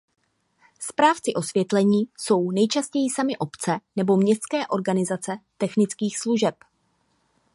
Správci osvětlení jsou nejčastěji samy obce nebo městské organizace technických služeb.